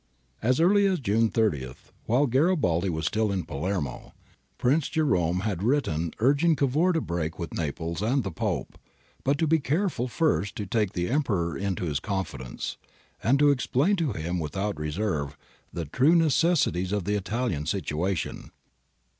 As early as June 30, while Garibaldi was still 'n Palermo, Prince Jerome had written urging Cavour to break with Naples and the Pope, but to be careful first to take the Emperor into his confidence, and to explain to him with out reserve the true necessities of the Italian situation.